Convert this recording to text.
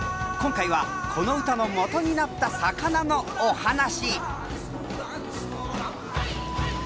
今回はこの歌のもとになった魚のお話。